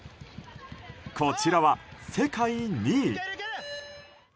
こちらは、世界２位。